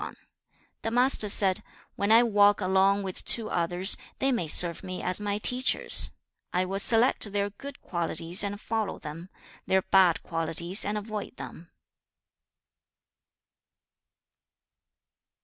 XXI. The Master said, 'When I walk along with two others, they may serve me as my teachers. I will select their good qualities and follow them, their bad qualities and avoid them.'